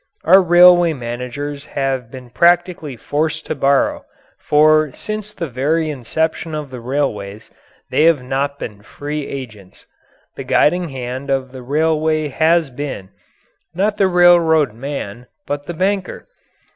Our railway managers have been practically forced to borrow, for since the very inception of the railways they have not been free agents. The guiding hand of the railway has been, not the railroad man, but the banker.